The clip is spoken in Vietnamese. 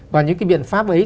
và những cái biện pháp ấy thì